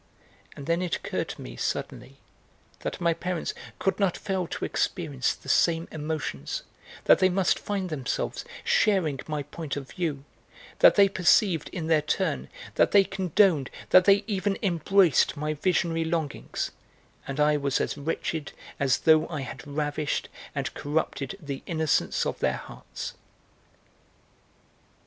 And then it occurred to me suddenly that my parents could not fail to experience the same emotions, that they must find themselves sharing my point of view, that they perceived in their turn, that they condoned, that they even embraced my visionary longings, and I was as wretched as though I had ravished and corrupted the innocence of their hearts.